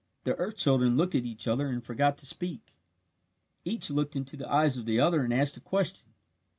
The earth children looked at each other and forgot to speak. Each looked into the eyes of the other and asked a question.